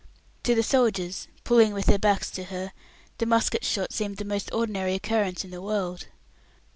To the soldiers, pulling with their backs to her, the musket shot seemed the most ordinary occurrence in the world.